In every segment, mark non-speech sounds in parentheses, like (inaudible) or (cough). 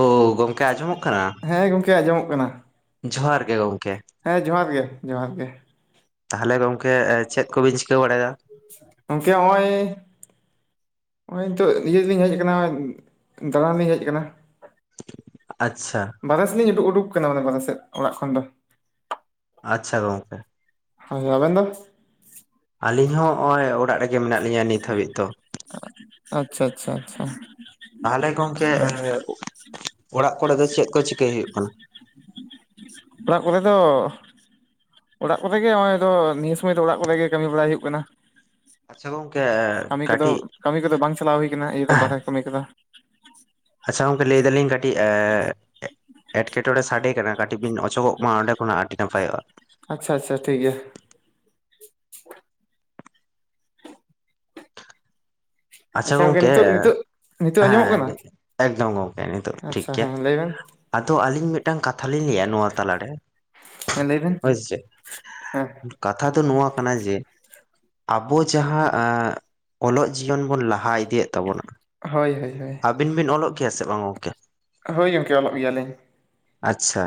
ᱳ ᱜᱚᱝᱚᱢᱠᱮ ᱟᱸᱡᱚᱢᱚᱜ ᱠᱟᱱᱟ᱾ ᱠᱮ ᱟᱸᱡᱚᱢᱚᱜ ᱠᱟᱱᱟ ᱡᱚᱦᱟᱨ ᱜᱮ ᱜᱚᱝᱠᱮ ᱦᱮᱸ ᱡᱚᱦᱟᱨ ᱜᱮ ᱡᱚᱦᱟᱨ ᱜᱮ ᱛᱟᱦᱚᱞᱮ ᱜᱚᱝᱠᱮ ᱪᱮᱫ ᱠᱚᱵᱤᱱ ᱪᱤᱠᱟᱹ ᱵᱟᱲᱟᱭᱮᱫᱟ ᱜᱚᱝᱠᱮ ᱦᱚᱸᱜᱼᱚᱭ (unintelligible) ᱱᱤᱛᱚᱜ ᱤᱭᱟᱹᱞᱤᱧ ᱦᱮᱡ ᱟᱠᱟᱱᱟ ᱫᱟᱟᱲᱟᱱ ᱞᱤᱧ ᱦᱮᱡ ᱟᱠᱟᱱᱟ ᱟᱪᱷᱟ ᱵᱟᱟᱦᱮ ᱥᱮᱫ ᱞᱤᱧ ᱩᱰᱩᱠ ᱩᱰᱩᱠ ᱟᱠᱟᱱᱟ ᱢᱟᱱᱮ ᱵᱟᱦᱨᱮ ᱥᱮᱫ ᱚᱲᱟᱜ ᱠᱷᱚᱱ ᱫᱚ ᱟᱪᱪᱷᱟ ᱜᱚᱢᱠᱮ ᱦᱚᱭ ᱟᱵᱮᱱ ᱫᱚ ᱟᱹᱞᱤᱧ ᱦᱚᱸᱜ ᱚᱭ ᱚᱲᱟᱜ ᱨᱮ ᱜᱮ ᱢᱮᱱᱟᱜ ᱞᱤᱧᱟᱹ ᱱᱤᱛ ᱦᱟᱹᱵᱤᱵ ᱫᱚ ᱟᱪᱪᱷᱟ ᱟᱪᱪᱷᱟ ᱟᱪᱪᱷᱟ ᱛᱟᱦᱚᱞᱮ ᱜᱚᱝᱠᱮ ᱚᱲᱟᱜ ᱠᱚᱨᱮ ᱫᱚ ᱪᱮᱫ ᱠᱚ ᱪᱤᱠᱟᱹᱭ ᱦᱩᱭᱩᱜ ᱠᱟᱱᱟ ᱚᱲᱟᱜ ᱠᱚᱨᱮ ᱫᱚ ᱚᱲᱟᱜ ᱠᱚᱨᱮ ᱜᱮ ᱱᱚᱜ ᱚᱸᱭ ᱱᱤᱭᱟᱹ ᱥᱚᱢᱚᱭ ᱫᱚ ᱚᱲᱟᱜ ᱠᱚᱨᱮ ᱜᱮ ᱠᱟᱹᱢᱤ ᱵᱟᱲᱟᱭ ᱦᱩᱭᱩᱜ ᱠᱟᱱᱟ ᱟᱪᱪᱷᱟ ᱜᱚᱢᱠᱮ ᱠᱟᱹᱢᱤ ᱠᱚᱫᱚ ᱠᱟᱹᱴᱤᱡ ᱠᱟᱹᱢᱤ ᱠᱚᱫᱚ ᱵᱟᱝ ᱪᱟᱞᱟᱣ ᱦᱩᱭ ᱠᱟᱱᱟ ᱤᱧ ᱫᱚ ᱵᱟᱷᱨᱮ ᱠᱟᱹᱢᱤ ᱠᱚᱫᱚ ᱟᱪᱪᱷᱟ ᱜᱚᱝᱠᱮ ᱞᱟᱹᱭ ᱫᱟᱞᱤᱧ ᱠᱟᱹᱴᱤᱡ--ᱮᱸ ᱮᱴᱠᱮᱴᱚᱬᱮ ᱥᱟᱰᱮ ᱠᱟᱱᱟ ᱠᱟᱹᱴᱤᱡ ᱵᱤᱱ ᱚᱪᱚᱜᱚᱜ ᱢᱟ ᱚᱸᱰᱮ ᱠᱷᱚᱱᱟᱜ ᱟᱹᱰᱤ ᱱᱟᱯᱟᱭᱚᱜᱼᱟ ᱟᱪᱪᱷᱟ ᱟᱪᱪᱷᱟ ᱴᱷᱤᱠ ᱜᱮ ᱟᱪᱪᱷᱟ ᱜᱚᱝᱠᱮ ᱱᱤᱛᱚᱜ ᱱᱤᱛᱚᱜ ᱱᱤᱛᱚᱜ ᱟᱸᱡᱚᱢᱚᱜ ᱦᱮᱸ ᱠᱟᱱᱟ ᱮᱠᱫᱚᱢ ᱜᱚᱢᱠᱮ ᱱᱤᱛᱚᱜ ᱫᱚ ᱴᱷᱤᱠ ᱟᱪᱪᱷᱟ ᱜᱮᱭᱟ ᱦᱮᱸ ᱞᱟᱹᱭ ᱵᱮᱱ ᱟᱫᱚ ᱟᱹᱞᱤᱧ ᱢᱤᱫᱴᱟᱝ ᱠᱟᱛᱷᱟ ᱞᱤᱧ ᱞᱟᱹᱭᱟ ᱱᱚᱣᱟ ᱛᱟᱞᱟᱨᱮ ᱦᱮᱸ ᱞᱟᱹᱭ ᱵᱮᱱ ᱦᱳᱭᱥᱮ ᱦᱮᱸ ᱠᱟᱛᱷᱟ ᱫᱚ ᱱᱳᱣᱟ ᱠᱟᱱᱟ ᱡᱮ ᱟᱵᱚ ᱡᱟᱦᱟᱸ ᱚᱞᱚᱜ ᱡᱤᱭᱚᱱ ᱵᱚᱱ ᱞᱟᱦᱟ ᱤᱫᱤᱭᱮᱫ ᱛᱟᱵᱚᱱᱟ ᱦᱳᱭ ᱦᱳᱭ ᱦᱳᱭ ᱟᱵᱤᱱ ᱵᱤᱱ ᱚᱞᱚᱜ ᱜᱮᱭᱟ ᱥᱮ ᱵᱟᱝ ᱜᱚᱝᱠᱮ ᱦᱳᱭ ᱜᱚᱢᱠᱮ ᱚᱞᱚᱜ ᱜᱮᱭᱟᱞᱤᱧ ᱟᱪᱪᱷᱟ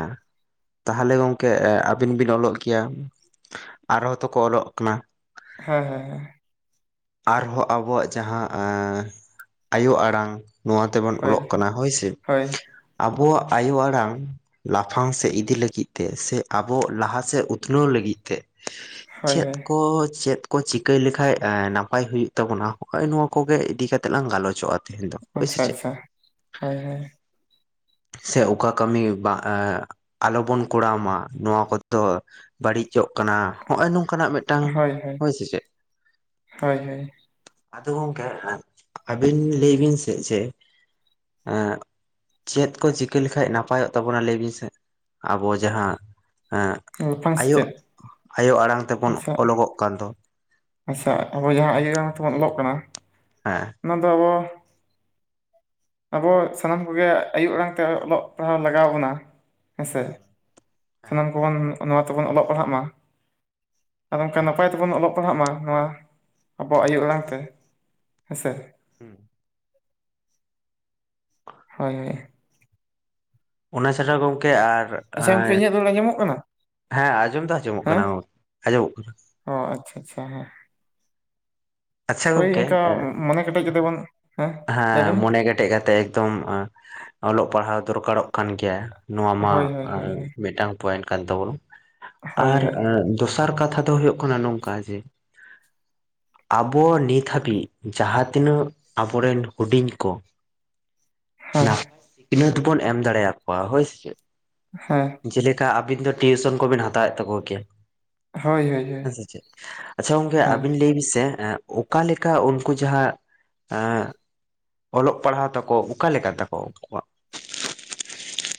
ᱛᱟᱦᱚᱞᱮ ᱜᱚᱝᱠᱮ ᱟᱹᱵᱤᱱ ᱵᱤᱱ ᱚᱞᱚᱜ ᱜᱮᱭᱟ ᱟᱨᱦᱚᱸ ᱛᱚᱠᱚ ᱚᱞᱚᱜ ᱠᱟᱱᱟ ᱦᱮᱸ ᱦᱮᱸ ᱦᱮᱸ ᱟᱨᱦᱚᱸ ᱟᱵᱚᱣᱟᱜ ᱡᱟᱦᱟᱸ ᱮᱸ ᱟᱭᱳ ᱟᱲᱟᱝ ᱱᱚᱣᱟ ᱛᱮᱵᱚᱱ ᱚᱞᱚᱜ ᱠᱟᱱᱟ ᱦᱳᱭᱥᱮ ᱟᱵᱚᱣᱟᱜ ᱟᱭᱳ ᱟᱲᱟᱝ ᱞᱟᱯᱷᱟᱝ ᱥᱮᱫ ᱤᱫᱤ ᱞᱟᱹᱜᱤᱫ ᱛᱮ ᱥᱮ ᱟᱵᱚ ᱞᱟᱦᱟᱥᱮᱫ ᱩᱛᱱᱟᱹᱣ ᱞᱟᱹᱜᱤᱫ ᱛᱮ ᱪᱮᱫ ᱠᱚ ᱪᱮᱫ ᱠᱚ ᱪᱤᱠᱟᱹᱭ ᱞᱮᱠᱷᱟᱡ ᱱᱟᱯᱟᱭ ᱦᱩᱭᱩᱜ ᱛᱟᱵᱚᱱᱟ, ᱱᱚᱣᱟ ᱠᱚᱜᱮ ᱤᱫᱤ ᱠᱟᱛᱮ ᱞᱟᱝ ᱜᱟᱞᱚᱪᱚᱜᱼᱟ ᱛᱟᱦᱮᱧ ᱫᱚ ᱾ ᱟᱪᱪᱷᱟ ᱟᱪᱪᱷᱟ ᱦᱳᱭ ᱦᱳᱭ ᱥᱮ ᱚᱠᱟ ᱠᱟᱹᱢᱤ ᱵᱟ ᱟᱞᱚᱵᱚᱱ ᱠᱚᱲᱟᱣ ᱢᱟ ᱱᱚᱣᱟ ᱠᱚᱫᱚ ᱵᱟᱹᱲᱤᱪᱚᱜ ᱠᱟᱱᱟ ᱦᱚᱸᱜᱼᱚᱭ ᱱᱚᱝᱠᱟᱱᱟᱜ ᱢᱤᱫᱴᱟᱝ ᱦᱳᱭ ᱥᱮ ᱪᱮ ᱦᱳᱭ᱾ ᱟᱫᱚ ᱜᱚᱢᱠᱮ ᱟᱹᱵᱤᱱ ᱞᱟᱹᱭ ᱵᱤᱱ ᱥᱮ ᱪᱮ ᱮᱸ ᱪᱮᱫ ᱠᱩ ᱪᱤᱠᱟᱹ ᱞᱮᱠᱷᱟᱜ ᱱᱟᱯᱟᱭᱚᱜ ᱛᱟᱵᱚᱱᱟ ᱞᱟᱹᱭ ᱵᱤᱱ ᱥᱮ ᱟᱵᱚ ᱡᱟᱦᱟᱸ ᱦᱸ ᱞᱟᱯᱷᱟᱝ ᱟᱭᱳ ᱥᱮᱪᱮᱫ ᱟᱭᱳ ᱟᱲᱟᱝ ᱛᱮᱵᱚᱱ ᱟᱪᱪᱷᱟ, ᱚᱞᱚᱜᱚᱜ ᱠᱟᱱ ᱫᱚ ᱟᱪᱪᱷᱟ ᱟᱵᱚ ᱡᱟᱦᱟᱸ ᱟᱭᱚᱟᱭᱟᱝ ᱛᱮᱵᱚᱱ ᱚᱞᱚᱜ ᱠᱟᱱᱟ ᱦᱮᱸ ᱚᱱᱟ ᱫᱚ ᱟᱵᱚ ᱟᱵᱚ ᱥᱟᱱᱟᱢ ᱠᱚᱜᱮ, ᱟᱭᱳ ᱟᱲᱟᱝ ᱛᱮ ᱚᱞᱚᱜ ᱯᱟᱲᱦᱟᱣ ᱞᱟᱜᱟᱣ ᱵᱚᱱᱟ᱾ ᱦᱮᱸ ᱥᱮ? ᱥᱟᱱᱟᱢ ᱠᱚᱵᱚᱱ ᱱᱚᱣᱟ ᱛᱮᱵᱚᱱ ᱚᱞᱚᱜ ᱯᱟᱲᱦᱟᱜ ᱢᱟ᱾ ᱟᱨ ᱚᱱᱠᱟ ᱱᱟᱯᱟᱭ ᱛᱮᱵᱚᱱ, ᱚᱞᱚᱜ ᱯᱟᱲᱦᱟᱜ ᱢᱟ, ᱱᱚᱣᱟ ᱟᱵᱚᱣᱟᱜ ᱟᱭᱳ ᱟᱲᱟᱝ ᱛᱮ᱾ ᱦᱮᱸ ᱥᱮ ᱦᱩᱸ ᱦᱳᱭ ᱦᱳᱭ ᱚᱱᱟ ᱪᱷᱟᱲᱟ ᱟᱨ ᱟᱪᱪᱷᱟ ᱜᱚᱝᱠᱮ ᱤᱧᱟᱹᱜ ᱨᱚᱲ ᱟᱸᱡᱚᱢᱚᱜ ᱠᱟᱱᱟ ᱦᱮᱸᱻᱻ ᱟᱸᱡᱚᱢ ᱫᱚ ᱟᱸᱡᱚᱢᱚᱜ ᱠᱟᱱᱟ ᱟᱸᱡᱚᱢᱚᱜ ᱠᱟᱱᱟ ᱚᱻ ᱟᱪᱪᱷᱟ ᱟᱪᱪᱷᱟ, ᱦᱮ ᱟᱪᱪᱷᱟ ᱦᱳᱭ ᱜᱚᱝᱠᱮ ᱚᱱᱠᱟ ᱢᱚᱱᱮ ᱠᱮᱴᱮᱡ ᱠᱟᱛᱮ ᱵᱚᱱ ᱦᱮᱸ ᱞᱟᱹᱭ ᱦᱮᱸᱻ ᱵᱮᱱ ᱢᱚᱱᱮ ᱠᱮᱴᱮᱡ ᱠᱟᱛᱮ, ᱮᱠᱫᱚᱢ ᱚᱞᱚᱜ ᱯᱟᱲᱦᱟᱣ ᱫᱚᱨᱠᱟᱨᱚᱜ ᱠᱟᱱ ᱜᱮᱭᱟ᱾ ᱱᱚᱣᱟ ᱢᱟ, ᱦᱳᱭ ᱦᱳᱭ ᱦᱳᱭ ᱦᱳᱭ ᱢᱤᱫᱴᱟᱝ ᱯᱚᱭᱮᱱᱴ ᱠᱟᱱ ᱛᱟᱵᱚᱱᱟ᱾ ᱦᱳᱭ ᱟᱨ ᱦᱳᱭ ᱫᱚᱥᱟᱨ ᱠᱟᱛᱷᱟ ᱫᱚ ᱦᱩᱭᱩᱜ ᱠᱟᱱᱟ ᱱᱚᱝᱠᱟ ᱡᱮ ᱟᱵᱚ ᱱᱤᱛ ᱦᱟᱹᱵᱤᱡ ᱡᱟᱦᱟᱸ ᱛᱤᱱᱟᱹᱜ ᱟᱵᱚᱨᱮᱱ ᱦᱩᱰᱤᱧ ᱠᱚ, ᱦᱳᱭ ᱱᱟᱯᱟᱭ ᱥᱟ ᱤᱱᱟᱹᱫᱚᱵᱚᱱ ᱮᱢ ᱫᱟᱲᱮ ᱟᱠᱚᱣᱟ ᱾ᱦᱳᱭ ᱥᱮ ᱪᱮᱫ? ᱦᱮᱸ ᱡᱮ ᱞᱮᱠᱟ ᱟᱹᱵᱤᱱ ᱫᱚ ᱴᱤᱭᱩᱥᱚᱱ ᱠᱚᱵᱤᱱ ᱦᱟᱛᱟᱣᱮᱫ ᱛᱟᱠᱚ ᱠᱮᱭᱟ᱾ ᱦᱳᱭ ᱦᱳᱭ ᱦᱳᱭ ᱦᱮᱸ ᱥᱮ ᱪᱮᱫ? ᱟᱪᱪᱷᱟ ᱜᱚᱝᱠᱮ ᱦᱳᱭ ᱟᱹᱵᱤᱱ ᱞᱟᱹᱭ ᱵᱤᱱ ᱥᱮ ᱚᱠᱟ ᱞᱮᱠᱟ ᱩᱱᱠᱩ ᱡᱟᱦᱟᱸ ᱦᱮᱸ ᱚᱞᱚᱜ ᱯᱟᱲᱦᱟᱣ ᱛᱟᱠᱚ, ᱚᱠᱟ ᱞᱮᱠᱟ ᱛᱟᱠᱚ ᱩᱱᱠᱩᱣᱟᱜ?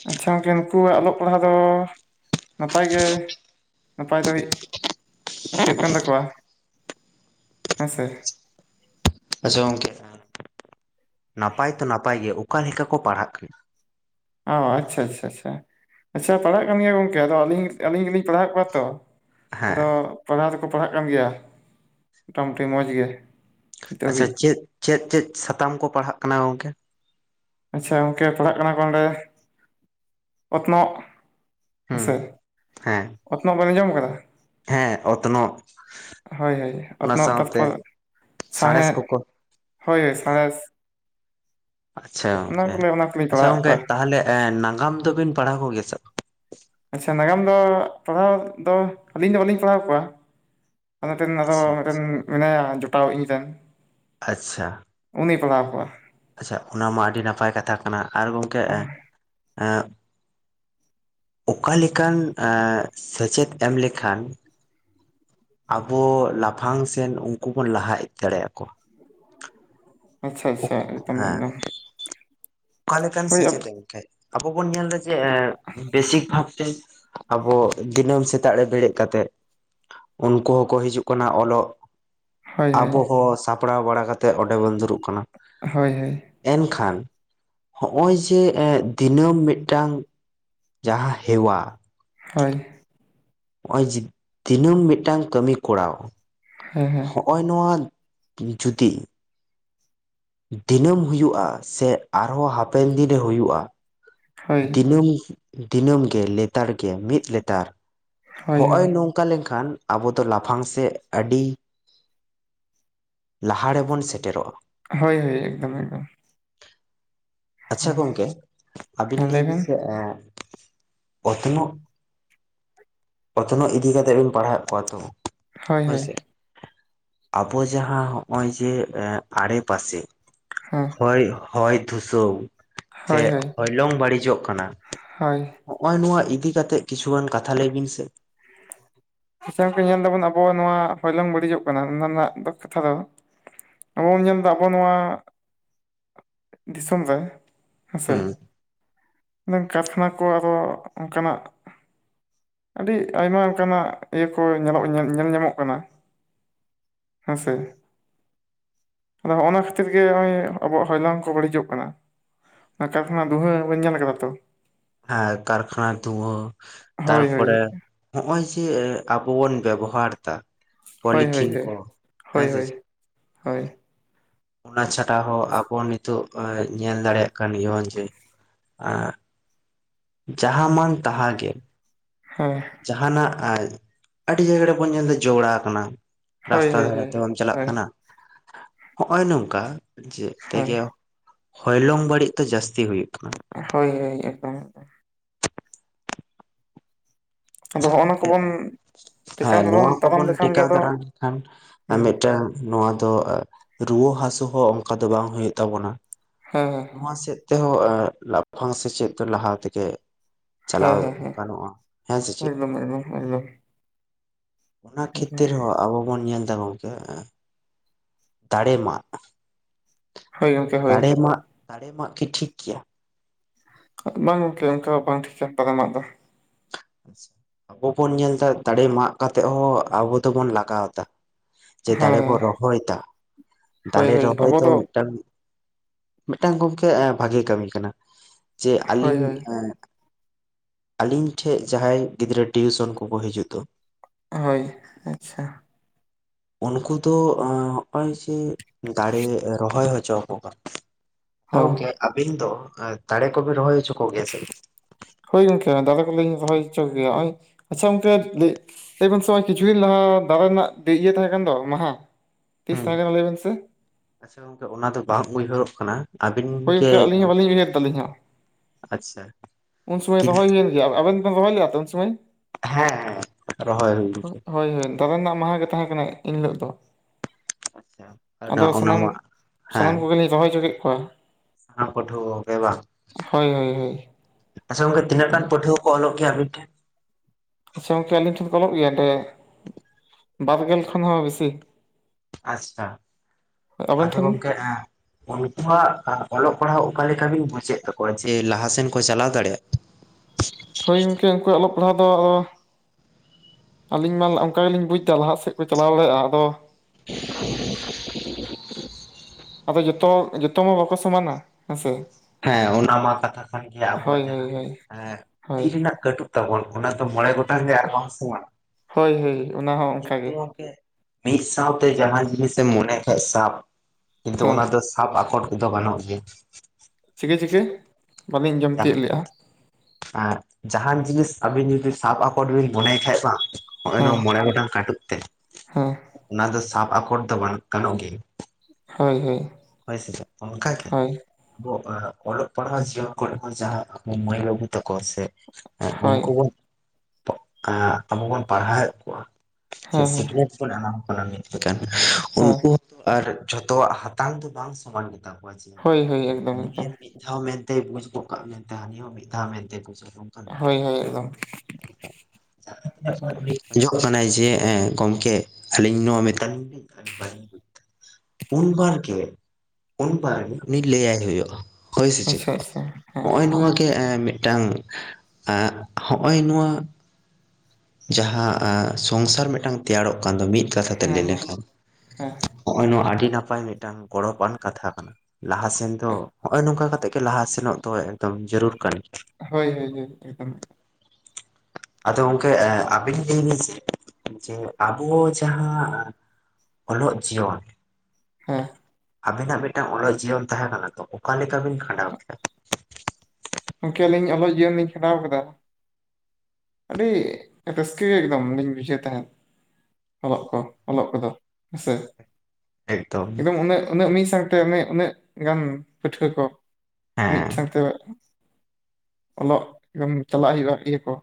ᱟᱪᱪᱷᱟ ᱜᱚᱝᱠᱮ ᱱᱩᱠᱩᱣᱟᱜ ᱚᱞᱚᱜ ᱯᱟᱲᱦᱟᱜ ᱫᱚ ᱱᱟᱯᱟᱭ ᱜᱮ ᱱᱟᱯᱟᱭ ᱫᱚ ᱦᱩᱭᱩᱜ ᱠᱟᱱ ᱛᱟᱠᱚᱣᱟ ᱦᱮᱸ ᱥᱮ ᱟᱪᱪᱷᱟ ᱜᱚᱝᱠᱮ ᱱᱟᱯᱟᱭ ᱛᱚ ᱱᱟᱯᱟᱭ ᱜᱮ ᱚᱠᱟ ᱞᱮᱠᱟ ᱠᱚ ᱯᱟᱲᱦᱟᱜ ᱠᱟᱱᱟ ᱚ ᱟᱪᱪᱷᱟ ᱟᱪᱪᱷᱟ ᱟᱪᱷᱟ ᱟᱪᱪᱷᱟ ᱯᱟᱲᱦᱟᱜ ᱠᱟᱱ ᱜᱮᱭᱟ ᱜᱚᱝᱠᱮ ᱟᱫᱚ, ᱟᱹᱞᱤᱧ ᱟᱹᱞᱤᱧ ᱜᱮ ᱞᱤᱧ ᱯᱟᱲᱦᱟᱜ ᱠᱚᱣᱟ ᱛᱚ ᱦᱮᱸ ᱟᱫᱚ ᱯᱟᱲᱦᱟᱣ ᱫᱚ ᱠᱚ ᱯᱟᱲᱦᱟᱜ ᱠᱟᱱ ᱜᱮᱭᱟ ᱢᱳᱴᱟᱢᱩᱴᱤ ᱢᱚᱡᱽ ᱜᱮ ᱱᱤᱛᱚᱜ ᱟᱪᱪᱷᱟ ᱦᱟᱹᱵᱤᱡ ᱪᱮᱫ, ᱪᱮᱫ, ᱪᱮᱫ ᱥᱟᱛᱟᱢ ᱠᱚ ᱯᱟᱲᱦᱟᱜ ᱠᱟᱱᱟ ᱜᱚᱝᱠᱮ ᱟᱪᱪᱷᱟ ᱜᱚᱝᱠᱮ ᱯᱟᱲᱦᱟᱜ ᱠᱟᱱᱟ ᱠᱚ ᱚᱸᱰᱮ ᱚᱛᱱᱚᱜ ᱦᱮᱸ ᱦᱩᱸ ᱥᱮ ᱦᱮᱸ ᱚᱛᱱᱚᱜ ᱵᱮᱱ ᱟᱸᱡᱚᱢ ᱟᱠᱟᱫᱟ ᱦᱮᱸ ᱚᱛᱱᱚᱜ ᱦᱳᱭ ᱦᱳᱭ ᱚᱱᱟ ᱚᱛᱱᱚᱜ ᱥᱟᱶᱛᱮ ᱛᱟᱨᱯᱚᱨ ᱥᱟᱬᱮᱥ ᱥᱟᱶᱦᱮᱫ ᱠᱚᱠᱚ ᱦᱳᱭ ᱥᱟᱬᱮᱥ ᱟᱪᱪᱷᱟ ᱚᱱᱟ ᱜᱚᱝᱠᱮ, ᱠᱚᱞᱮ ᱚᱱᱟ ᱠᱚᱞᱤᱧ ᱟᱪᱪᱷᱟ ᱯᱟᱲᱦᱟᱣᱮᱫ ᱜᱚᱝᱠᱮ ᱠᱚᱣᱟ ᱛᱟᱦᱚᱞᱮ ᱱᱟᱜᱟᱢ ᱫᱚᱵᱤᱱ ᱯᱟᱲᱦᱟᱣ ᱠᱚ ᱜᱮᱭᱟ ᱥᱮ ᱵᱟᱝ ᱟᱪᱪᱷᱟ ᱱᱟᱜᱟᱢ ᱫᱚ ᱯᱟᱲᱦᱟᱣ ᱫᱚ ᱟᱹᱞᱤᱧ ᱫᱚ ᱵᱟᱹᱞᱤᱧ ᱯᱟᱲᱦᱟᱣ ᱠᱚᱣᱟ ᱟᱨ ᱢᱤᱫᱴᱮᱱ ᱟᱫᱚ ᱟᱪᱪᱷᱟ ᱢᱤᱫᱴᱮᱱ ᱢᱮᱱᱟᱭᱟ ᱡᱚᱴᱟᱣ ᱤᱧ ᱨᱮᱱ ᱟᱪᱪᱷᱟ ᱩᱱᱤ ᱯᱟᱲᱟᱣ ᱠᱚᱣᱟ ᱟᱪᱪᱷᱟ, ᱚᱱᱟ ᱢᱟ ᱟᱹᱰᱤ ᱱᱟᱯᱟᱭ ᱠᱟᱛᱷᱟ ᱠᱟᱱᱟ ᱟᱨ ᱜᱚᱢᱠᱮ ᱚᱠᱟ ᱞᱮᱠᱟᱱ ᱥᱮᱪᱮᱫ ᱮᱢ ᱞᱮᱠᱷᱟᱱ ᱟᱵᱚ ᱞᱟᱯᱷᱟᱝ ᱥᱮᱱ ᱩᱱᱠᱩ ᱵᱩᱱ ᱞᱟᱦᱟ ᱤᱫᱤ ᱫᱟᱲᱮᱭᱟ ᱠᱚᱣᱟ ᱟᱪᱪᱷᱟ ᱟᱪᱪᱷᱟ ᱮᱠᱫᱚᱢ ᱦᱮᱸ ᱮᱠᱫᱚᱢ ᱚᱠᱟ ᱞᱮᱠᱟᱱ ᱦᱳᱭ ᱟᱯ ᱥᱮᱪᱮᱫ ᱮᱱ ᱠᱷᱟᱱ ᱟᱵᱚ ᱵᱚᱱ ᱧᱮᱞ ᱮᱫᱟ ᱡᱮ ᱵᱮᱥᱤᱠ ᱵᱷᱟᱵᱛᱮ ᱟᱵᱚ ᱫᱤᱱᱟᱹᱢ ᱥᱮᱛᱟᱜ ᱨᱮ ᱵᱮᱨᱮᱫ ᱠᱟᱛᱮᱫ ᱩᱱᱠᱩ ᱦᱚᱸᱠᱚ ᱦᱤᱡᱩᱜ ᱠᱟᱱᱟ ᱚᱞᱚᱜ ᱦᱳᱭ ᱦᱳᱭ ᱟᱵᱚ ᱦᱚᱸ ᱥᱟᱯᱲᱟᱣ ᱵᱟᱲᱟ ᱠᱟᱛᱮᱫ ᱚᱸᱰᱮ ᱵᱚᱱ ᱫᱩᱲᱩᱵ ᱠᱟᱱᱟ ᱦᱳᱭ ᱦᱳᱭ ᱮᱱᱠᱷᱟᱱ ᱦᱚᱜᱼᱚᱭ ᱡᱮ ᱫᱤᱱᱟᱹᱢ ᱢᱤᱫᱴᱟᱝ ᱡᱟᱦᱟᱸ ᱦᱮᱣᱟ ᱦᱳᱭ ᱱᱚᱜᱼᱚᱭ ᱡᱮ ᱫᱤᱱᱟᱹᱢ ᱢᱤᱫ ᱴᱟᱝ ᱠᱟᱹᱢᱤ ᱠᱚᱨᱟᱣ ᱦᱮᱸ ᱦᱮᱸ ᱦᱚᱸᱜᱼᱚᱭ ᱱᱚᱣᱟ ᱡᱩᱫᱤ ᱫᱤᱱᱟᱹᱢ ᱦᱩᱭᱩᱜᱼᱟ ᱥᱮ ᱟᱨᱦᱚᱸ ᱦᱟᱯᱮᱱ ᱫᱤᱱ ᱨᱮ ᱦᱩᱭᱩᱜᱼᱟ ᱦᱳᱭ ᱫᱤᱱᱟᱹᱢ ᱫᱤᱱᱟᱹᱢ ᱜᱮ ᱞᱮᱛᱟᱲ ᱜᱮ ᱢᱤᱫ ᱞᱮᱛᱟᱲ ᱦᱳᱭ ᱦᱚᱸᱜᱼᱚᱭ ᱦᱳᱭ ᱱᱚᱝ ᱚᱝᱠᱟ ᱞᱮᱱ ᱠᱷᱟᱱ ᱟᱵᱚ ᱫᱚ ᱞᱟᱯᱷᱟᱝ ᱥᱮᱫ ᱟᱹᱰᱤ ᱞᱟᱦᱟ ᱨᱮᱵᱚᱱ ᱥᱮᱴᱮᱨᱚᱜᱼᱟ ᱦᱳᱭ ᱦᱳᱭ ᱮᱠᱫᱚᱢ ᱮᱠᱫᱚᱢ ᱟᱪᱪᱷᱟ ᱦᱳᱭ ᱜᱚᱝᱠᱮ ᱟᱹᱵᱤᱱ ᱦᱮᱸ ᱞᱟᱹᱭ ᱵᱤᱱ ᱵᱮᱱ ᱥᱮ ᱚᱛᱱᱚᱜ ᱚᱛᱱᱚᱜ ᱤᱫᱤ ᱠᱟᱛᱮ ᱵᱤᱱ ᱯᱟᱲᱦᱟᱣ ᱮᱫ ᱠᱚᱣᱟ ᱛᱚ ᱦᱳᱭ ᱥᱮ ᱟᱵᱚ ᱡᱟᱦᱟᱸ ᱦᱚᱸᱜᱼᱚᱭ ᱡᱮ ᱟᱲᱮ ᱯᱟᱥᱮ ᱦᱮᱸ ᱦᱳᱭ ᱦᱚᱭ ᱫᱷᱩᱥᱟᱹᱣ ᱥᱮ ᱦᱳᱭ ᱦᱳᱭ ᱦᱚᱭᱞᱚᱝ ᱵᱟᱹᱲᱤᱡᱚᱜ ᱠᱟᱱᱟ ᱦᱳᱭ ᱦᱚᱸᱜᱼᱚᱭ ᱱᱚᱣᱟ ᱤᱫᱤ ᱠᱟᱛᱮᱜ ᱠᱤᱪᱷᱩ ᱜᱟᱱ ᱠᱟᱛᱷᱟ ᱞᱟᱹᱭ ᱵᱤᱱ ᱥᱮ ᱟᱪᱪᱷᱟ ᱜᱚᱝᱠᱮ ᱧᱮᱞ ᱫᱟᱵᱚᱱ ᱟᱵᱚ ᱱᱚᱣᱟ ᱦᱚᱭᱞᱚᱝ ᱵᱟᱹᱲᱤᱡᱚᱜ ᱠᱟᱱᱟ ᱚᱱᱟ ᱨᱮᱱᱟᱜ ᱫᱚ ᱠᱟᱛᱷᱟ ᱫᱚ ᱟᱵᱚ ᱵᱚᱱ ᱧᱮᱞ ᱫᱟ ᱟᱵᱚ ᱱᱚᱣᱟ ᱫᱤᱥᱚᱢ ᱨᱮ ᱦᱮᱸ ᱥᱮ ᱢᱮᱱ ᱠᱟᱨᱠᱷᱟᱱᱟ ᱠᱚ ᱟᱨᱚ ᱚᱱᱠᱟᱱᱟᱜ ᱟᱹᱰᱤ ᱟᱭᱢᱟ ᱚᱱᱠᱟᱱᱟᱜ ᱤᱭᱟᱹ ᱠᱚ ᱧᱮᱞᱚᱜ ᱧᱮᱞ ᱧᱟᱢᱚᱜ ᱠᱟᱱᱟ ᱦᱮᱸ ᱥᱮ ᱦᱚᱸᱜᱼᱱᱚᱣᱟ ᱠᱷᱟᱹᱛᱤᱨ ᱜᱮ ᱦᱚᱸᱜᱼᱚᱭ ᱟᱵᱚᱣᱟᱜ ᱦᱚᱭᱞᱚᱝ ᱠᱚ ᱵᱟᱹᱲᱤᱡᱚᱜ ᱠᱟᱱᱟ ᱠᱟᱨᱠᱷᱟᱱᱟ ᱫᱩᱸᱦᱟᱹ ᱵᱟᱹ ᱧᱮᱞ ᱠᱟᱫᱟ ᱛᱚ ᱦᱮᱸ ᱠᱟᱨᱠᱷᱟᱱᱟ ᱫᱷᱩᱸᱣᱟᱹ ᱦᱳᱭ ᱦᱳᱭ ᱛᱟᱨᱯᱚᱨᱮ ᱦᱸᱚᱜᱼᱚᱭ ᱡᱮ ᱟᱵᱚ ᱵᱚᱱ ᱵᱮᱵᱚᱦᱟᱨ ᱫᱟ ᱦᱳᱭ ᱦᱳᱭ ᱯᱚᱞᱤᱛᱷᱤᱱ ᱠᱚ ᱦᱳᱭ ᱦᱮᱸ ᱥᱮ ᱦᱳᱭ ᱪᱮᱫ ᱦᱳᱭ ᱦᱳᱭ ᱚᱱᱟ ᱪᱷᱟᱰᱟ ᱦᱚᱸ ᱟᱵᱚ ᱱᱤᱛᱚᱜ ᱧᱮᱞ ᱫᱟᱲᱮᱭᱟᱜ ᱠᱟᱱ ᱜᱮᱭᱟ ᱵᱚᱱ ᱡᱮ ᱡᱟᱦᱟᱸ ᱢᱟᱱ ᱛᱟᱦᱟᱸ ᱜᱮ ᱦᱮᱸ ᱡᱟᱸᱦᱟᱱᱟᱜ ᱟᱡ ᱟᱹᱰᱤ ᱡᱟᱭᱜᱟ ᱨᱮᱵᱚᱱ ᱧᱮᱞ ᱫᱟ ᱡᱚᱵᱟᱲᱟ ᱠᱟᱱᱟ ᱦᱳᱭ ᱨᱟᱥᱛᱟ ᱦᱳᱭ ᱫᱷᱲᱟᱨᱮ ᱦᱳᱭ ᱛᱮᱦᱚᱢ ᱪᱟᱞᱟᱜ ᱦᱳᱭ ᱠᱟᱱᱟ ᱦᱚᱸᱜᱼᱚᱭ ᱱᱚᱝᱠᱟ ᱡᱮᱣᱮᱫ ᱦᱳᱭ ᱛᱮᱜᱮ ᱦᱚᱭᱞᱚᱝ ᱵᱟᱹᱲᱤᱡ ᱛᱚ ᱡᱟᱹᱥᱛᱤ ᱦᱩᱭᱩᱜ ᱠᱟᱱᱟ ᱦᱳᱭ ᱦᱳᱭ ᱮᱠᱫᱚᱢ ᱟᱫᱚ ᱟᱪᱪᱷᱟ ᱦᱚᱸᱜᱼᱚ ᱱᱟ ᱜᱚᱝᱠᱮ ᱠᱚᱵᱚᱱ ᱴᱮᱠᱟᱣ ᱫᱟᱨᱟᱢ ᱱᱚᱣᱟ ᱫᱟᱨᱟᱢ ᱠᱚᱵᱚᱱ ᱞᱮᱠᱷᱟᱱ ᱜᱮ ᱴᱮᱠᱟᱣ ᱟᱫᱚ ᱫᱟᱨᱟᱢ ᱠᱷᱟᱱ ᱦᱮᱸ ᱢᱤᱫᱴᱟᱹᱝ ᱱᱚᱶᱟ ᱫᱚ ᱨᱩᱣᱟᱹ ᱦᱟᱹᱥᱩ ᱦᱚᱸ ᱚᱱᱠᱟ ᱫᱚ ᱵᱟᱝ ᱦᱩᱭᱩᱜ ᱛᱟᱵᱚᱱᱟ᱾ ᱦᱮᱸ ᱱᱚᱣᱟ ᱥᱮᱫ ᱛᱮᱦᱚᱸ ᱞᱟᱯᱷᱟᱝ ᱥᱮᱪᱮᱫ ᱫᱚ ᱞᱟᱦᱟ ᱛᱮᱜᱮ ᱦᱮᱸ ᱪᱟᱞᱟᱣ ᱦᱮᱸ ᱦᱮᱸ ᱜᱟᱱᱚᱜᱼᱟ ᱦᱮᱸ ᱥᱮ ᱪᱮᱫ (unintelligible) ᱚᱱᱟ ᱠᱷᱮᱛᱛᱮ ᱮᱠᱫᱚᱢ ᱨᱮ ᱦᱚᱸ ᱟᱵᱚ ᱵᱚᱱ ᱧᱮᱞ ᱮᱫᱟ ᱜᱚᱝᱠᱮ, ᱫᱟᱲᱮ ᱢᱟᱜᱽ ᱦᱳᱭ ᱜᱚᱝᱠᱮ ᱦᱳᱭ ᱫᱟᱲᱮ ᱢᱟᱜ ᱫᱟᱲᱮ ᱢᱟᱜ ᱠᱤ ᱴᱷᱤᱠ ᱜᱮᱭᱟ? ᱵᱟᱝ ᱜᱚᱢᱠᱮ ᱚᱱᱠᱟ ᱵᱟᱝ ᱴᱷᱤᱠ ᱟ ᱛᱟᱨᱟᱢᱟᱜ ᱫᱚ ᱟᱵᱚ ᱵᱚᱱ ᱧᱮᱞ ᱫᱟ ᱫᱟᱨᱮ ᱢᱟᱜ ᱠᱟᱛᱮᱫ ᱦᱚᱸ ᱟᱵᱚ ᱫᱚᱵᱚᱱ ᱞᱟᱜᱟᱣ ᱫᱟ ᱡᱮ ᱫᱟᱨᱮ ᱵᱚ ᱦᱮᱸ ᱨᱚᱦᱚᱭ ᱫᱟ ᱦᱳᱭ ᱫᱟᱨᱮ ᱦᱳᱭ ᱨᱚᱦᱚᱭ ᱟᱵᱚ ᱫᱚ ᱢᱤᱫ ᱴᱟᱝ ᱢᱤᱫ ᱴᱟᱝ ᱜᱚᱢᱠᱮ ᱵᱷᱟᱹᱜᱤ ᱠᱟᱹᱢᱤ ᱠᱟᱱᱟ ᱡᱮ ᱦᱳᱭ ᱟᱹᱞᱤᱧ ᱦᱳᱭ ᱮᱸ ᱟᱞᱤᱧ ᱴᱷᱮᱡ ᱡᱟᱦᱟᱸᱭ ᱜᱤᱫᱽᱨᱟᱹ ᱴᱤᱭᱩᱥᱚᱱ ᱠᱚᱠᱚ ᱦᱤᱡᱩᱜ ᱫᱚ ᱦᱳᱭ ᱟᱪᱪᱷᱟ ᱱᱩᱠᱩ ᱫᱚ ᱦᱚᱸᱜᱼᱚᱭ ᱡᱮ ᱫᱟᱲᱮ ᱨᱚᱦᱚᱭ ᱦᱚᱪᱚ ᱠᱚ ᱠᱟᱱᱟ ᱦᱮᱸ ᱜᱚᱢᱠᱮ ᱚ ᱟᱹᱵᱤᱱ ᱫᱚ ᱫᱟᱨᱮ ᱠᱚᱵᱤᱱ ᱨᱚᱦᱚᱭ ᱦᱚᱪᱚ ᱠᱚᱜᱮᱭᱟ ᱥᱮ ᱵᱟᱝ ᱦᱳᱭ ᱜᱚᱝᱠᱮ ᱫᱟᱨᱮ ᱠᱚᱞᱤᱧ ᱨᱚᱦᱚᱭ ᱦᱚᱪᱚ ᱠᱮᱭᱟ ᱱᱚᱸᱜᱼᱚᱭ ᱟᱪᱪᱷᱟ ᱜᱚᱝᱠᱮ ᱞᱟᱹᱭ ᱵᱤᱱ ᱥᱮ ᱠᱤᱪᱷᱩ ᱫᱤᱱ ᱞᱟᱦᱟ ᱫᱟᱨᱮ ᱨᱮᱱᱟᱜ ᱤᱭᱟᱹ ᱛᱟᱦᱮᱸ ᱠᱟᱱ ᱫᱚ ᱢᱟᱦᱟ ᱛᱤᱥ ᱦᱩᱸ ᱛᱟᱦᱮᱸ ᱠᱟᱱᱟ ᱞᱟᱹᱭ ᱵᱤᱱ ᱥᱮ ᱟᱪᱪᱷᱟ ᱜᱚᱝᱠᱮ ᱚᱱᱟ ᱫᱚ ᱵᱟᱝ ᱩᱭᱦᱟᱹᱨᱚᱜ ᱠᱟᱱᱟ, ᱟᱹᱵᱤᱱ ᱦᱳᱭ ᱜᱮ ᱜᱚᱢᱠᱮ ᱟᱹᱞᱤᱧ ᱦᱚᱸ ᱵᱟᱹᱞᱤᱧ ᱩᱭᱦᱟᱹᱨ ᱫᱟᱞᱤᱧ ᱦᱟᱸᱜ ᱟᱪᱪᱷᱟ ᱩᱱ ᱥᱩᱢᱟᱹᱭ ᱠᱤᱱ ᱨᱚᱦᱚᱭ ᱦᱩᱭ ᱮᱱ, ᱟᱵᱮᱱ ᱫᱚᱵᱤᱱ ᱨᱚᱦᱚᱭ ᱞᱮᱫᱟ ᱛᱚ ᱩᱱ ᱥᱩᱢᱟᱹᱭ ᱦᱮᱸ ᱨᱚᱦᱚᱭ (unintelligible) ᱦᱳᱭ ᱦᱳᱭ ᱫᱟᱨᱮ ᱨᱮᱱᱟᱜ ᱢᱟᱦᱟ ᱜᱮ ᱛᱟᱦᱮᱸ ᱠᱟᱱᱟ ᱤᱱ ᱦᱤᱞᱳᱜ ᱫᱚ, ᱟᱪᱪᱷᱟ ᱚᱱᱟ ᱟᱫᱚ ᱚᱱᱟ ᱥᱟᱱᱟᱢ ᱢᱟ ᱦᱮᱸ ᱥᱟᱱᱟᱢ ᱠᱚᱜᱮᱞᱤᱧ ᱨᱚᱦᱚᱭ ᱦᱚᱪᱚ ᱠᱮᱫ ᱠᱚᱣᱟ, (unintelligible) ᱦᱳᱭ ᱦᱳᱭ ᱦᱳᱭ, ᱟᱪᱪᱷᱟ ᱜᱚᱝᱠᱮ ᱛᱤᱱᱟᱹᱜ ᱦᱳᱭ ᱜᱟᱱ ᱯᱟᱹᱴᱷᱩᱣᱟᱹ ᱠᱚ ᱚᱞᱚᱜ ᱜᱮᱭᱟ ᱟᱵᱤᱱ ᱴᱷᱮᱱ? ᱥᱮ ᱜᱚᱢᱠᱮ ᱟᱞᱤᱧ ᱴᱷᱮᱱ ᱠᱚ ᱚᱞᱚᱜ ᱜᱮᱭᱟ ᱰᱮ, ᱵᱟᱨᱜᱮᱞ ᱠᱷᱚᱱ ᱦᱚᱸ ᱵᱤᱥᱤ, ᱟᱥᱪᱷᱟ ᱟᱵᱮᱱ ᱟᱫᱚ ᱴᱷᱮᱱ ᱜᱚᱢᱠᱮ ᱦᱮᱸ ᱩᱱᱠᱩᱣᱟᱜ ᱚᱞᱚᱜ ᱯᱟᱲᱦᱟᱜ ᱚᱠᱟ ᱞᱮᱠᱟᱵᱤᱱ ᱵᱩᱡᱮᱫ ᱛᱟᱠᱚᱣᱟ ᱡᱮ ᱞᱟᱦᱟ ᱥᱮᱫ ᱠᱚ ᱪᱟᱞᱟᱣ ᱫᱟᱲᱮᱭᱟᱜᱼᱟ, ᱦᱳᱭ ᱜᱚᱢᱠᱮ ᱩᱱᱠᱩ ᱟᱜ ᱢᱟ ᱯᱟᱲᱦᱟᱣ ᱫᱚ ᱟᱫᱚ ᱟᱞᱤᱧ ᱢᱟ ᱚᱱᱠᱟ ᱜᱮᱞᱤᱧ ᱵᱩᱡ ᱫᱟ ᱞᱟᱦᱟ ᱥᱮᱫ ᱠᱚ ᱪᱟᱞᱟᱣ ᱫᱟᱲᱮᱭᱟᱜᱼᱟ ᱟᱫᱚ (inaudible) (inaudible) ᱟᱫᱚ ᱡᱚᱛᱚ ᱡᱚᱛᱚ ᱢᱟ ᱵᱟᱠᱚ ᱥᱚᱢᱟᱱᱟ ᱦᱮᱸ ᱥᱮ, ᱦᱮᱸ ᱚᱱᱟ ᱢᱟ ᱠᱟᱛᱷᱟ ᱠᱟᱱ ᱜᱮᱭᱟ ᱟᱵᱚᱣᱟᱜ ᱦᱳᱭ ᱡᱟᱦᱟᱸ ᱦᱳᱭ ᱮ ᱛᱤ ᱦᱳᱭ ᱨᱮᱱᱟᱜ ᱠᱟᱹᱴᱩᱵᱽ ᱛᱟᱵᱚᱱ ᱚᱱᱟ ᱛᱚ ᱢᱚᱬᱮ ᱜᱚᱴᱟᱝ ᱜᱮ ᱟᱨ ᱵᱟᱝ ᱥᱚᱢᱟᱱᱟ, ᱦᱳᱭ ᱦᱳᱭ ᱚᱱᱟ ᱦᱚᱸ ᱚᱱᱠᱟ ᱠᱤᱱᱛᱩ ᱜᱮ ᱜᱚᱝᱠᱮ ᱢᱤᱫ ᱥᱟᱶᱛᱮ ᱡᱟᱦᱟ ᱡᱤᱱᱤᱥ ᱮᱢ ᱢᱚᱱᱮᱭ ᱠᱷᱟᱱ ᱥᱟᱵ ᱠᱤᱱᱛᱩ ᱦᱮᱸ ᱚᱱᱟ ᱫᱚ ᱥᱟᱯ ᱟᱠᱚᱴ ᱠᱚᱫᱚ ᱵᱟᱱᱚᱜ ᱜᱮᱭᱟ, ᱪᱤᱠᱟᱹ ᱪᱤᱠᱟᱹ ᱵᱟᱹᱞᱤᱧ ᱟᱡᱚᱢ ᱡᱟᱦᱟᱸ ᱛᱤᱭᱩᱜ ᱞᱮᱜᱼᱟ, ᱟᱨ ᱡᱟᱦᱟᱱ ᱡᱤᱱᱤᱥ ᱟᱵᱤᱱ ᱡᱩᱫᱤ ᱥᱟᱵ ᱟᱠᱚᱴ ᱵᱤᱱ ᱢᱚᱱᱮᱭ ᱠᱷᱟᱡ ᱵᱟᱝ ᱦᱚᱜᱼᱚᱭ ᱦᱮᱸ ᱱᱚᱣᱟ ᱢᱚᱬᱮ ᱜᱚᱴᱟᱝ ᱠᱟᱴᱩᱵ ᱛᱮ ᱦᱮᱸ ᱚᱱᱟ ᱫᱚ ᱥᱟᱵ ᱟᱠᱚᱴ ᱫᱚ ᱵᱟᱝ ᱜᱟᱱᱚᱜ ᱜᱮ, ᱦᱳᱭ ᱦᱳᱭ ᱦᱳᱭ ᱥᱮ ᱪᱮᱫ ᱚᱱᱠᱟ ᱜᱮ ᱦᱳᱭ ᱟᱵᱚ ᱚᱞᱚᱜ ᱯᱟᱲᱦᱟᱣ ᱡᱤᱭᱚᱱ ᱠᱚᱨᱮ ᱦᱚᱸ ᱡᱟᱦᱟᱸ ᱟᱵᱚ ᱢᱟᱹᱭ ᱵᱟᱹᱵᱩ ᱛᱟᱠᱚ ᱥᱮ- ᱦᱮᱸ ᱦᱳᱭ ᱩᱱᱠᱩ ᱵᱚᱱ ᱮ ᱟᱵᱚ ᱵᱚᱱ ᱯᱟᱲᱦᱟᱣ ᱮᱫ ᱠᱚᱣᱟ, ᱥᱮ ᱦᱮᱸ ᱦᱮᱸ ᱥᱤᱠᱷᱱᱟᱹᱛ ᱵᱚᱱ ᱮᱢᱟ ᱠᱚ ᱠᱟᱱᱟ ᱢᱤᱫ ᱞᱮᱠᱟᱱ ᱦᱮᱸ ᱩᱱᱠᱩ ᱦᱚᱸ ᱟᱨ ᱡᱷᱚᱛᱚᱣᱟᱜ ᱦᱟᱛ ᱛᱟᱝ ᱫᱚ ᱵᱟᱝ ᱥᱚᱢᱟᱱ ᱜᱮᱛᱟ ᱠᱚᱣᱟ ᱡᱮ ᱦᱳᱭ ᱦᱳᱭ (unintelligible) ᱮᱠᱫᱚᱢ ᱮᱠᱫᱚᱢ ᱢᱤᱫ ᱫᱷᱟᱣ ᱢᱮᱱᱛᱮᱭ ᱵᱩᱡᱽ ᱜᱚᱜ ᱠᱟᱜ ᱢᱮᱱᱛᱮ ᱦᱟᱱᱤ ᱦᱚᱸ ᱢᱤᱫ ᱫᱷᱟᱣ ᱢᱮᱱᱛᱮ ᱜᱩᱡ ᱦᱳᱭ ᱦᱳᱭ ᱮᱠᱫᱚᱢ (unintelligible) (unintelligible) ᱡᱩᱜ ᱠᱟᱱᱟᱭ ᱡᱮ ᱮ ᱜᱚᱝᱠᱮ ᱟᱹᱞᱤᱧ ᱱᱚᱣᱟ ᱢᱮᱛᱟ ᱞᱤᱧ (unintelligible) ᱩᱱ ᱵᱟᱨᱜᱮ ᱩᱱ ᱵᱟᱨᱜᱮ ᱩᱱᱤ ᱞᱟᱹᱭᱟᱭ ᱦᱩᱭᱩᱜᱼᱟ, ᱦᱳᱭ ᱥᱮ ᱪᱮᱫ ᱟᱪᱪᱷᱟ ᱟᱪᱪᱷᱟ ᱦᱮᱸ ᱱᱚᱜᱼᱚᱭ ᱱᱚᱣᱟᱜᱮ ᱢᱤᱫᱴᱟᱝ ᱮ ᱦᱚᱜᱼᱚᱭ ᱱᱚᱣᱟ ᱡᱟᱦᱟᱸ ᱥᱚᱝᱥᱟᱨ ᱢᱤᱫᱴᱟᱝ ᱛᱮᱭᱟᱨᱚᱜ ᱠᱟᱱ ᱫᱚ ᱢᱤᱫ ᱠᱟᱛᱷᱟ ᱛᱮ ᱦᱮᱸ ᱞᱟᱹᱭ ᱦᱮᱸ ᱞᱮᱱᱠᱷᱟᱱ ᱦᱮᱸ ᱱᱚᱜ-ᱚᱭ ᱱᱚᱣᱟ ᱟᱹᱰᱤ ᱱᱟᱯᱟᱭ ᱢᱤᱫᱴᱟᱝ ᱜᱚᱨᱚᱵᱟᱱ ᱠᱟᱛᱷᱟ ᱠᱟᱱᱟ ᱞᱟᱦᱟ ᱥᱮᱱ ᱫᱚ ᱱᱚᱜ ᱚᱭ ᱱᱚᱝᱠᱟ ᱠᱟᱛᱮ ᱜᱮ, ᱞᱟᱦᱟ ᱥᱮᱱᱚᱜ ᱫᱚ ᱮᱠᱫᱚᱢ ᱡᱟᱹᱨᱩᱲ ᱠᱟᱱ ᱜᱮᱭᱟ (inaudible) ᱦᱳᱭ ᱦᱳᱭ ᱦᱳ ᱮᱚᱢ (inaudible) ᱟᱫᱚ ᱜᱚᱝᱠᱮ ᱟᱵᱤᱱ ᱜᱮ ᱞᱟᱹᱭ ᱵᱤᱱ ᱥᱮ ᱡᱮ ᱟᱵᱚ ᱡᱟᱦᱟᱸ ᱚᱞᱚᱜ ᱡᱤᱭᱚᱱ, ᱦᱮᱸ ᱟᱵᱤᱱᱟᱜ ᱢᱤᱫᱴᱟᱝ ᱚᱞᱚᱜ ᱡᱤᱭᱚᱱ ᱛᱟᱦᱮᱸ ᱠᱟᱱᱟ ᱛᱚ ᱚᱠᱟ ᱞᱮᱠᱟ ᱵᱤᱱ ᱠᱷᱟᱸᱰᱟᱣ ᱠᱮᱫᱟ? ᱜᱚᱢᱠᱮ ᱟᱹᱞᱤᱧ ᱚᱞᱚᱜ ᱡᱤᱭᱚᱱ ᱞᱤᱧ ᱠᱷᱟᱸᱰᱟᱣ ᱠᱟᱫᱟ, ᱟᱹᱰᱤ ᱨᱟᱹᱥᱠᱟᱹ ᱜᱮ ᱮᱠᱫᱚᱢ ᱞᱤᱧ ᱵᱩᱡᱷᱟᱹᱣ ᱮᱫ ᱛᱟᱦᱮᱸᱫ ᱚᱞᱚᱜ ᱠᱚ ᱚᱞᱚᱜ ᱠᱚᱫᱚ ᱦᱮᱸ ᱥᱮ, ᱮᱠᱫᱚᱢ ᱩᱱᱟᱹᱜ ᱩᱱᱟᱹᱜ ᱢᱤᱫ ᱥᱟᱶᱛᱮ ᱩᱱᱟᱹᱜ ᱩᱱᱟ. ᱜ ᱜᱟᱱ ᱯᱟᱹᱴᱷᱩᱣᱟᱹ ᱠᱚ ᱢᱤᱫ ᱥᱟᱶ ᱦᱮᱸ ᱛᱮ (unintelligible) ᱚᱞᱚᱜ ᱮᱫᱚᱢ ᱪᱟᱞᱟᱜ ᱦᱩᱭᱩᱜᱼᱟ ᱤᱭᱟᱹ ᱠᱚ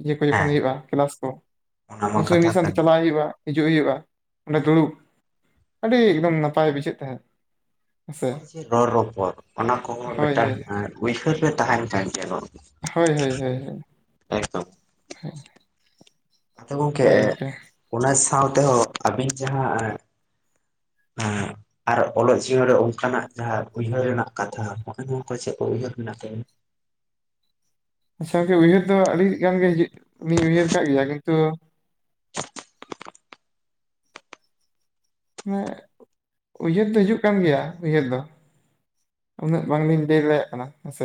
ᱤᱭᱟᱹ ᱠᱚ ᱡᱚᱠᱷᱚᱱ ᱦᱮᱸ ᱦᱩᱭᱩᱜᱭᱼᱟ ᱠᱮᱞᱟᱥ ᱠᱚ ᱚᱱᱟ ᱢᱟ ᱩᱱ ᱥᱚᱢᱚᱭ ᱢᱤᱫ ᱠᱟᱛᱷᱟ ᱠᱟᱱ ᱥᱟᱶᱛᱮ ᱜᱮ᱾ ᱪᱟᱞᱟᱜ ᱦᱩᱭᱩᱜᱼᱟ ᱦᱤᱡᱩᱜ ᱦᱩᱭᱩᱜᱼᱟ ᱚᱸᱰᱮ ᱫᱩᱲᱩᱵ ᱟᱹᱰᱤ ᱮᱠᱫᱚᱢ ᱱᱟᱯᱟᱭ ᱵᱩᱡᱷᱟᱹᱜ ᱛᱟᱦᱮᱸᱜ ᱨᱚᱲ ᱨᱚᱯᱚᱲ ᱚᱱᱟ ᱠᱚᱦᱚᱸ ᱦᱳᱭ ᱦᱳᱭ ᱢᱤᱫᱴᱟᱝ ᱩᱭᱦᱟᱹᱨ ᱨᱮ ᱛᱟᱦᱮᱱ ᱠᱟᱱ ᱡ (inaudible) ᱦᱳᱭ ᱦᱳᱭ ᱦᱳᱭ ᱦᱳᱭ ᱦᱳᱭ ᱮᱠᱫᱚᱢ ᱦᱳᱭ ᱟᱫᱚ ᱜᱚᱢᱠᱮ ᱜᱚᱝᱠᱮ ᱚᱱᱟ ᱥᱟᱶ ᱛᱮᱦᱚᱸ ᱟᱹᱵᱤᱱ ᱡᱟᱦᱟᱸ ᱦᱮᱸ ᱟᱨ ᱚᱞᱚᱜ ᱡᱤᱭᱚᱱ ᱨᱮ ᱚᱱᱠᱟᱱᱟᱜ ᱡᱟᱦᱟᱸ ᱩᱭᱦᱟᱹᱨ ᱨᱮᱱᱟᱜ ᱠᱟᱛᱷᱟ ᱱᱚᱜᱼᱚᱭ ᱱᱚᱣᱟ ᱠᱚ ᱪᱮᱫ ᱠᱚ ᱩᱭᱦᱟᱹᱨ ᱢᱮᱱᱟᱜ ᱛᱟᱹᱵᱤᱱᱟ (inaudible) ᱟᱪᱪᱷᱟ ᱜᱚᱝᱠᱮ ᱩᱭᱦᱟᱹᱨ ᱫᱚ ᱟᱹᱰᱤ ᱜᱟᱱ ᱜᱮ ᱦᱤᱡᱩᱜ ᱤᱧ ᱩᱭᱦᱟᱹᱨ ᱠᱟᱜ ᱜᱮᱭᱟ ᱠᱤᱱᱛᱚ ᱢᱟᱱᱮ ᱩᱭᱦᱟᱹᱨ ᱫᱚ ᱦᱤᱡᱩᱜ ᱠᱟᱱ ᱜᱮᱭᱟ ᱩᱭᱦᱟᱹᱨ ᱫᱚ ᱩᱱᱟᱹᱜ ᱵᱟᱝᱞᱤᱧ ᱞᱟᱹᱭ ᱫᱟᱲᱮᱭᱟᱜ ᱠᱟᱱᱟ ᱦᱮᱸᱥᱮ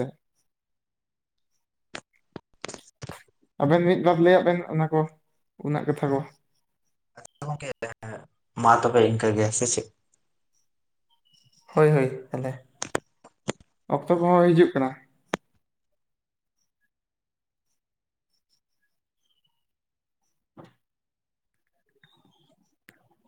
ᱟᱵᱮᱱ ᱢᱤᱫᱵᱟᱨ ᱞᱟᱹᱭᱟ ᱵᱮᱱ ᱚᱱᱟ ᱠᱚ ᱩᱱᱟᱹᱜ ᱠᱟᱛᱷᱟ ᱠᱚ ᱦᱮᱸ ᱜᱚᱝᱠᱮ ᱢᱟᱛᱚᱵᱮ ᱤᱝᱠᱟᱹ ᱜᱮ ᱦᱮᱸ ᱥᱮ ᱪᱮᱫ ᱦᱳᱭ ᱦᱳᱭ ᱛᱟᱦᱞᱮ ᱚᱠᱛᱚ ᱠᱚᱦᱚᱸ ᱦᱤᱡᱩᱜ ᱠᱟᱱᱟ (inaudible)